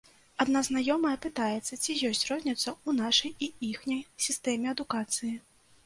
Адна знаёмая пытаецца, ці ёсць розніца ў нашай і іхняй сістэме адукацыі.